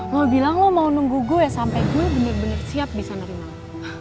mau bilang lo mau nunggu gue sampai gue bener bener siap bisa nerima lo